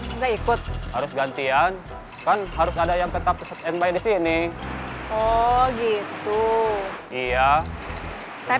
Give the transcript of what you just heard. enggak ikut harus gantian kan harus ada yang tetap disini oh gitu iya saya